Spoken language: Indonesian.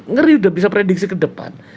ngeri udah bisa prediksi ke depan